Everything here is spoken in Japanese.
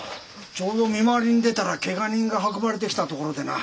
ちょうど見回りに出たらけが人が運ばれてきたところでな。